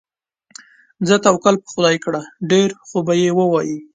ځه توکل په خدای کړه، ډېر خوبه یې ووایې.